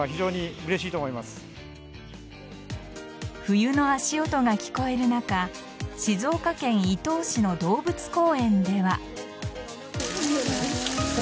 冬の足音が聞こえる中静岡県伊東市の動物公園では。